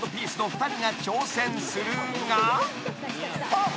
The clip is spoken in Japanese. あっ。